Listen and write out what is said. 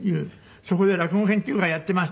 「そこで落語研究会やっています」って。